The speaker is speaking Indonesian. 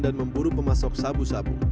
dan memburu pemasok sabu sabu